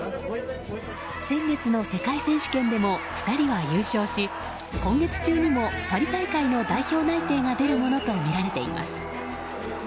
先月の世界選手権でも２人は優勝し今月中にもパリ大会の代表内定が出るものとみられています。